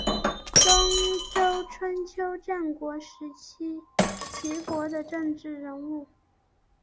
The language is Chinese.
东周春秋战国时期齐国的政治人物。